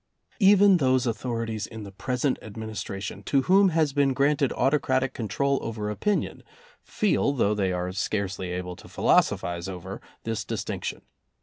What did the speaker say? Even those authorities in the present Adminis tration, to whom has been granted autocratic con trol over opinion, feel, though they are scarcely able to philosophize over, this distinction.